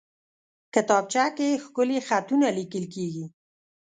کتابچه کې ښکلي خطونه لیکل کېږي